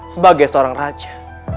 sebagai seorang raja